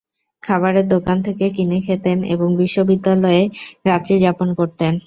খাবারের দোকান থেকে কিনে খেতেন এবং বিশ্ববিদ্যালয়েই রাত্রি যাপন করতেন।